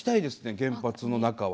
原発の中は。